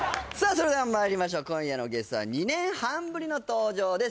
それではまいりましょう今夜のゲストは２年半ぶりの登場です